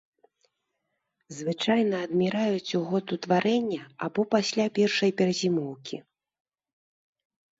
Звычайна адміраюць у год утварэння або пасля першай перазімоўкі.